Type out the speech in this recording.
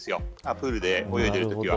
プールで泳いでいるときは。